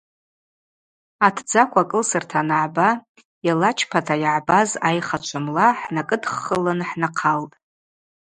Атдзакв акӏылсырта аныгӏба йалачпата йыгӏбаз айха чвымла хӏнакӏыдххылын хӏнахъалтӏ.